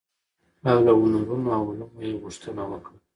او له هنرونو او علومو يې غوښتنه وکړه،